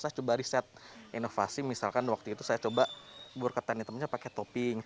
saya coba riset inovasi misalkan waktu itu saya coba bubur ketan hitamnya pakai topping